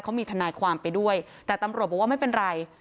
เขามีทนายความไปด้วยแต่ตำรวจบอกว่าไม่เป็นไร